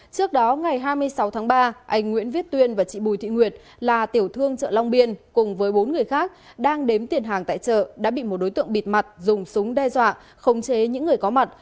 trước đó ngày hai mươi sáu tháng ba anh nguyễn viết tuyên và chị bùi thị nguyệt là tiểu thương chợ long biên cùng với bốn người khác đang đến tiền hàng tại chợ đã bị một đối tượng bịt mặt dùng súng đe dọa khống chế những người có mặt